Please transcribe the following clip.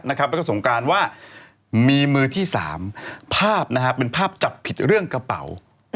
แล้วก็สงการว่ามีมือที่๓ภาพเป็นภาพจับผิดเรื่องกระเป๋า